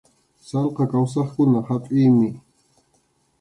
Sallqa kawsaqkuna hapʼiymi.